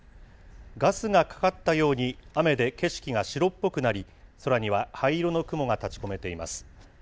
ガスがかかったように、雨で景色が白っぽくなり、空には灰色の雲が立ちこめています。